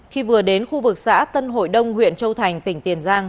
khi vừa đến khu vực xã tân hội đông huyện châu thành tỉnh tiền giang